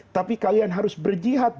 tapi kalian harus berjihad